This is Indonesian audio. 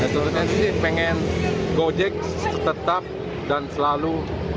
dan setelah ini sih pengen gojek tetap dan selalu